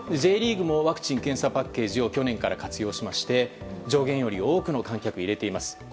Ｊリーグもワクチン・検査パッケージを去年から活用しまして上限より多くの観客を入れています。